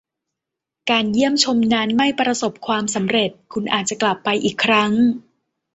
การเยี่ยมชมนั้นไม่ประสบความสำเร็จคุณอาจจะกลับไปอีกครั้ง ?